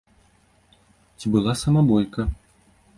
Ці была сама бойка?